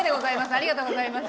ありがとうございます。